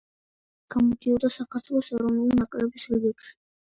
გამოდიოდა საქართველოს ეროვნული ნაკრების რიგებში.